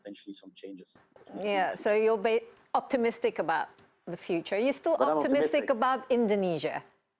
tetap bersemangat tentang indonesia